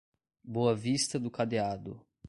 Boa Vista do Cadeado